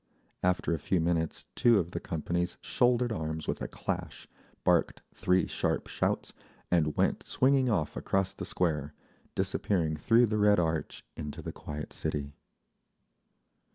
After a few minutes two of the companies shouldered arms with a clash, barked three sharp shouts, and went swinging off across the Square, disappearing through the Red Arch into the quiet city.